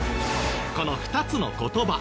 この２つの言葉